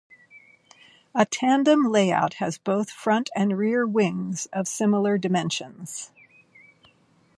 A tandem layout has both front and rear wings of similar dimensions.